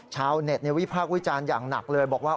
ชาวเน็ตวิจารณ์อย่างหนักเลยบอกว่า